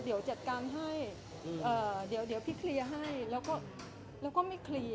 เดี๋ยวจัดการให้เดี๋ยวพี่เคลียร์ให้แล้วก็ไม่เคลียร์